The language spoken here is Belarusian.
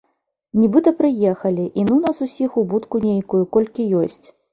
Нібыта прыехалі, і ну нас усіх у будку нейкую, колькі ёсць.